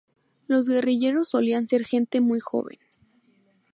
Los guerrilleros solían ser gente muy joven.